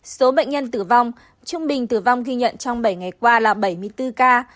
số bệnh nhân tử vong trung bình tử vong ghi nhận trong bảy ngày qua là bảy mươi bốn ca